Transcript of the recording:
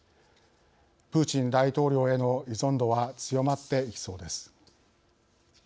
プーチン大統領への依存度は強まっていきそうです。